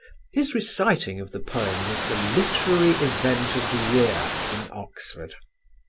His reciting of the poem was the literary event of the year in Oxford.